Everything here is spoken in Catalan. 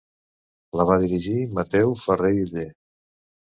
La va dirigir Mateu Ferrer i Oller.